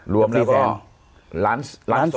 รวมแล้วเปล่า